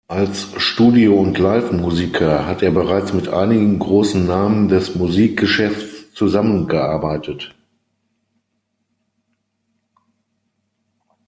Als Studio- und Live-Musiker hat er bereits mit einigen großen Namen des Musikgeschäfts zusammengearbeitet.